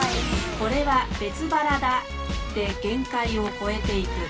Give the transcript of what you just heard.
「これは別腹だ」で限界を超えていく。